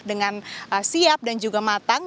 dengan siap dan juga matang